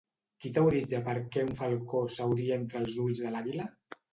Qui teoritza per què un falcó seuria entre els ulls de l'àguila?